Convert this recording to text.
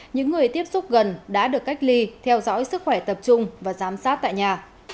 những người tiếp xúc gần đã được cách ly theo dõi sức khỏe tập trung và giám sát tại nhà